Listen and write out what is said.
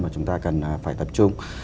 mà chúng ta cần phải tập trung